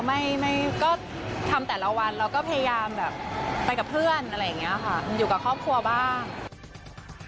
ไม่ไม่ก็ทำแต่ละวันเราก็พยายามแบบไปกับเพื่อนอะไรอย่างนี้ค่ะอยู่กับครอบครัวบ้าง